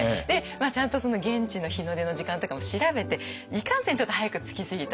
ちゃんと現地の日の出の時間とかも調べていかんせんちょっと早く着きすぎたって。